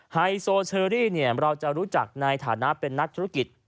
ไฮโซเชอรี่เราจะรู้จักในฐานะเป็นนักธุรกิจ